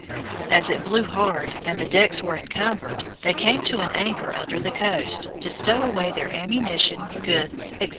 As it blew hard, and the decks were encumbered, they came to an anchor under the coast, to stow away their ammunition, goods, &c.